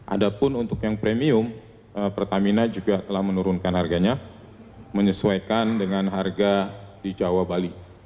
ada pun untuk yang premium pertamina juga telah menurunkan harganya menyesuaikan dengan harga di jawa bali